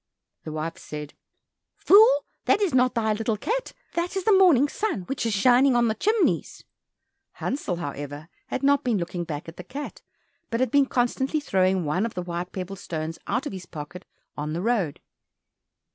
The wife said, "Fool, that is not thy little cat, that is the morning sun which is shining on the chimneys." Hansel, however, had not been looking back at the cat, but had been constantly throwing one of the white pebble stones out of his pocket on the road.